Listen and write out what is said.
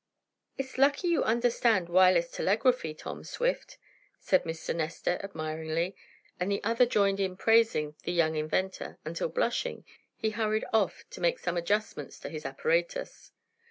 "It's lucky you understand wireless telegraphy, Tom Swift," said Mr. Nestor admiringly, and the other joined in praising the young inventor, until, blushing, he hurried off to make some adjustments to his apparatus.